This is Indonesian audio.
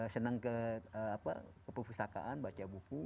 senang ke perpustakaan baca buku